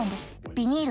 ビニール